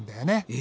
え？